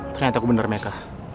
ternyata aku bener meka